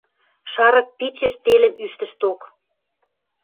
Шарык пичеш телӹм ӱштӹшток.